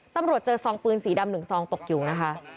ตำรวจเจอซองปืนสีดำ๑ซองตกอยู่นะคะ